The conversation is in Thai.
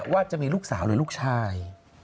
ว่าจะมีลูกสาวหรือลูกชาย